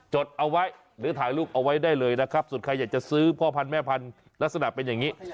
ดเอาไว้หรือถ่ายรูปเอาไว้ได้เลยนะครับส่วนใครอยากจะซื้อพ่อพันธุ์แม่พันธุ์ลักษณะเป็นอย่างนี้